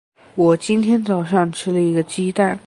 我今天早上吃了一个鸡蛋。